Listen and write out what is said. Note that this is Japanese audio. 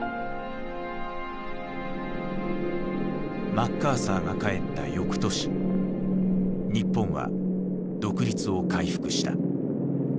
マッカーサーが帰ったよくとし日本は独立を回復した。